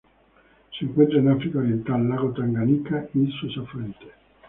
Se encuentran en África Oriental: lago Tanganika y sus afluentes.